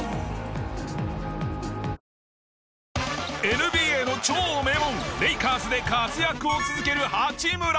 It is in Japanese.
ＮＢＡの超名門レイカーズで活躍を続ける八村。